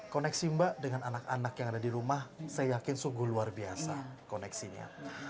koneksi mbak dengan anak anak yang ada di rumah saya yakin sungguh luar biasa koneksinya